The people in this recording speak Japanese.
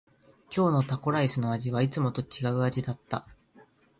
今日のタコライスの味はいつもと違う味だった。